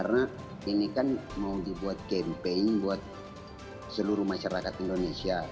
karena ini kan mau dibuat campaign buat seluruh masyarakat indonesia